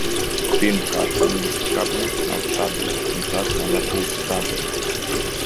Pirmkārt, Ministru kabinets nav stabils, un tas nevar būt stabils.